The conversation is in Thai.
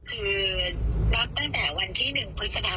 คือนับตั้งแต่วันที่๑พฤษภาคม